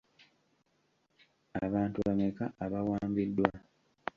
Abantu bameka abawambiddwa?